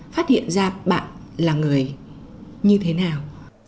phát hiện ra bạn là người như thế nào